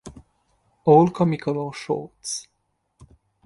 All Comicolor shorts.